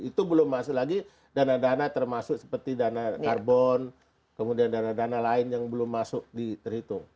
itu belum masuk lagi dana dana termasuk seperti dana karbon kemudian dana dana lain yang belum masuk di terhitung